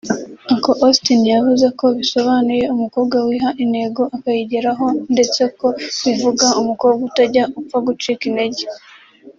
Uncle Austin yavuze ko bisobanuye ‘umukobwa wiha intego akayigeraho’ ndetse ko bivuga ‘umukobwa utajya upfa gucika intege’